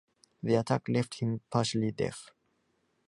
The attack left him partially deaf.